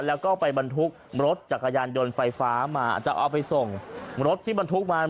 แล้วก็ไปบรรทุกรถจักรยานยนต์ไฟฟ้ามาจะเอาไปส่งรถที่บรรทุกมา